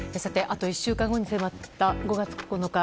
あと１週間後に迫った５月９日